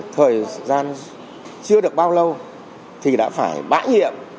thời gian chưa được bao lâu thì đã phải bãi nhiệm